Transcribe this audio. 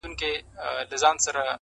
نوري یې مه پریږدی د چا لښکري؛